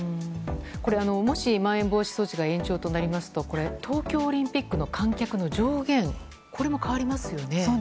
これ、もしまん延防止措置が延長となるとこれ、東京オリンピックの観客の上限も変わりますよね？